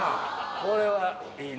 これはいいね。